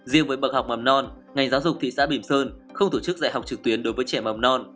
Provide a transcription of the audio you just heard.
riêng với bậc học mầm non ngành giáo dục thị xã bìm sơn không tổ chức dạy học trực tuyến đối với trẻ mầm non